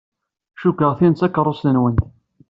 Cikkeɣ tin d takeṛṛust-nwent.